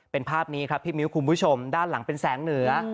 เป็นภาพนี้ครับพี่มิ้วคุณผู้ชมด้านหลังเป็นแสงเหนือ